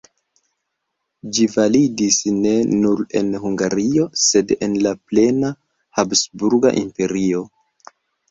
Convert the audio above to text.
Ĝi validis ne nur en Hungario, sed en la plena Habsburga Imperio.